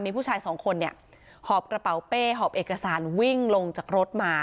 มีผู้ชายสองคนเนี่ยหอบกระเป๋าเป้หอบเอกสารวิ่งลงจากรถมา